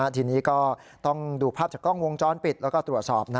ทีนี้ก็ต้องดูภาพจากกล้องวงจรปิดแล้วก็ตรวจสอบ